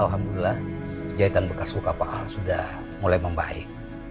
alhamdulillah jahitan bekas kuka pak al sudah mulai membaik